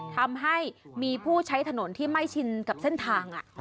ทำให้มีผู้ใช้ถนนที่ไม่ชินกับเส้นทาง